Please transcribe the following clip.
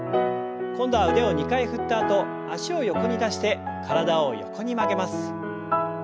今度は腕を２回振ったあと脚を横に出して体を横に曲げます。